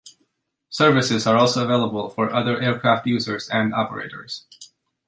Services are also available for other aircraft users and operators.